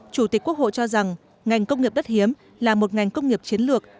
chủ tịch quốc hội cho rằng ngành công nghiệp đất hiếm là một ngành công nghiệp chiến lược